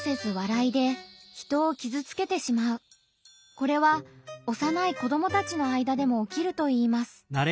これは幼い子どもたちの間でもおきるといいます。